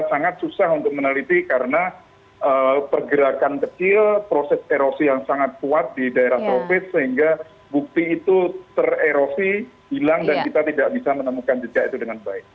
sangat susah untuk meneliti karena pergerakan kecil proses erosi yang sangat kuat di daerah tropis sehingga bukti itu tererosi hilang dan kita tidak bisa menemukan jejak itu dengan baik